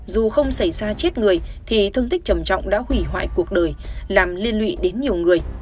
dù không xảy ra chết người thì thương tích trầm trọng đã hủy hoại cuộc đời làm liên lụy đến nhiều người